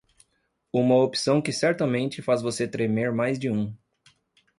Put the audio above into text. Uma opção que certamente faz você tremer mais de um.